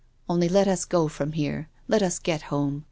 Only let us go from here. Let us get home.